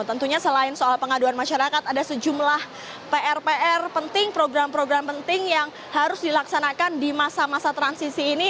tentunya selain soal pengaduan masyarakat ada sejumlah pr pr penting program program penting yang harus dilaksanakan di masa masa transisi ini